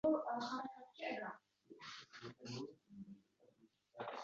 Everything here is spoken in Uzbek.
ьilasan, azaldan qulga xosdirman.